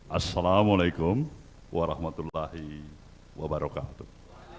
assalamu alaikum warahmatullahi wabarakatuh